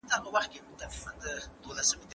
د هري ميرمني ښه خويونه پر بدو خويونو باندي زيات دي